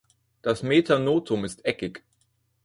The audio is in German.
Das Metanotum ist eckig.